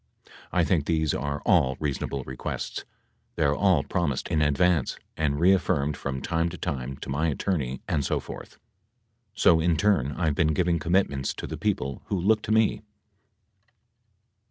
I think these are all reasonable requests. They're all promised in advance and reaffirmed from time to time to my attorney and so forth, so in turn I've been giving commitments to the people who look to me [Emphasis added.